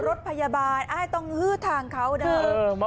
รถพยาบาลอ้ายต้องฮือทางเขานะ